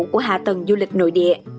của hạ tầng du lịch nội địa